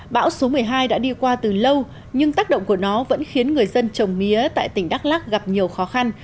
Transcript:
bão số một mươi hai đã đi qua từ lâu nhưng tác động của nó vẫn khiến người dân trồng mía tại tỉnh đắk lắc gặp nhiều khó khăn